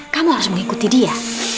kamu harus mengikuti dia